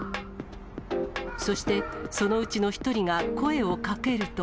そして、そのうちの１人が声をかけると。